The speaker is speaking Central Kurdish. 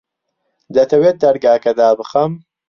دەتەوێت دەرگاکە دابخەم؟